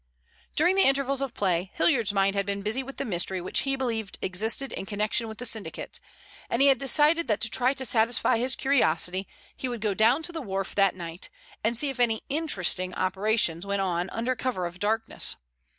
During the intervals of play Hilliard's mind had been busy with the mystery which he believed existed in connection with the syndicate, and he had decided that to try to satisfy his curiosity he would go down to the wharf that night and see if any interesting operations went on under cover of darkness.